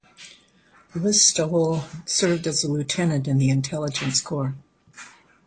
Listowel served as a Lieutenant in the Intelligence Corps.